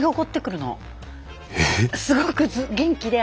すごく元気で。